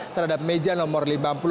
terhadap meja nomor lima puluh enam